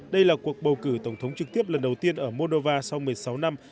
đây là cuộc bầu cử tổng thống trực tiếp lần đầu tiên ở moldova sau một mươi sáu năm